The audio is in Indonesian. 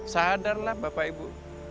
sadarlah bapak ibu